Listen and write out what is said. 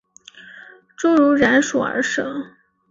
侏儒蚺属而设。